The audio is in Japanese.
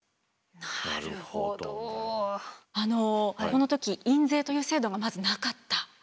この時印税という制度がまずなかった。